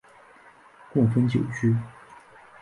共分九区。